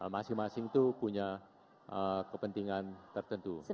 masing masing itu punya kepentingan tertentu